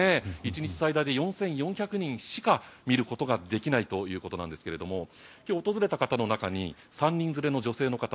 １日最大で４４００人しか見ることができないということなんですけども今日訪れた方の中に３人連れの女性の方